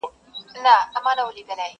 چلېدل يې په ښارونو كي حكمونه!.